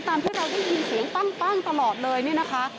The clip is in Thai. ตามเพื่อเราที่มีเสียงปั้งตลอดเลยนี่นะคะ